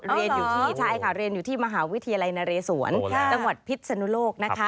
เรียนอยู่ที่มหาวิทยาลัยนะเรสวนตะวัดพิษสนุโลก